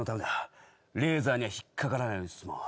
レーザーには引っ掛からないように進もう。